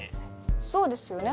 そうですよね。